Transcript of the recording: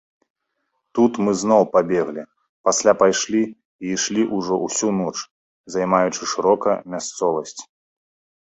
Тут мы зноў пабеглі, пасля пайшлі і ішлі ўжо ўсю ноч, займаючы шырока мясцовасць.